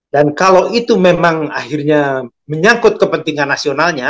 dan kalau itu memang akhirnya menyangkut kepentingan nasionalnya